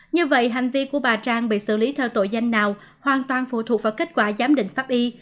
như vậy hành vi của bà trang bị xử lý theo tội danh nào hoàn toàn phụ thuộc vào kết quả giám định pháp y